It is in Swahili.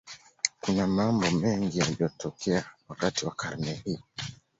Kuna mambo mengi yaliyotokea wakati wa karne hii.